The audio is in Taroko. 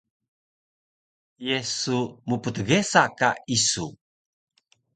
Ye su mptgesa ka isu?